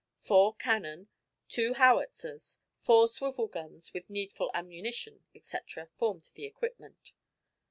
Four cannon, two howitzers, four swivel guns, with the needful ammunition, &c., formed the equipment.